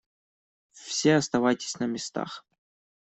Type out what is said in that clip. Все оставайтесь на местах.